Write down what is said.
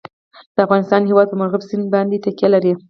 د افغانستان هیواد په مورغاب سیند باندې تکیه لري.